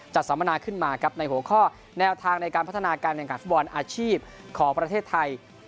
สัมมนาขึ้นมาครับในหัวข้อแนวทางในการพัฒนาการแข่งขันฟุตบอลอาชีพของประเทศไทย